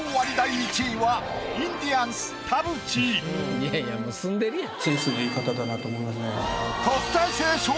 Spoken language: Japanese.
いやいやもう住んでるやん。